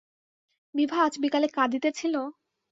বিভা আজ বিকালে কাঁদিতেছিল?